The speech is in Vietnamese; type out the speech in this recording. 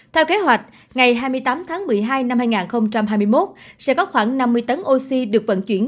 theo kế hoạch ngày hai mươi tám tháng một mươi hai năm hai nghìn hai mươi một sẽ có khoảng năm mươi tấn oxy được vận chuyển